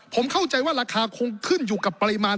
ผมเข้าใจว่าราคาคงขึ้นอยู่กับปริมาณ